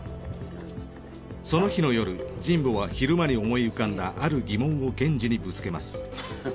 その日の夜神保は昼間に思い浮かんだある疑問を源次にぶつけます。